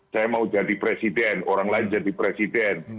saya mau jadi presiden orang lain jadi presiden